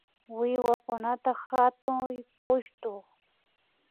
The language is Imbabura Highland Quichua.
Wiwakunata hatuy pushtu